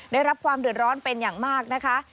ได้รับความเดือดร้อนเป็นอย่างมากนะคะ